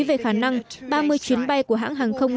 về khả năng ba mươi chuyến bay của hãng hàng không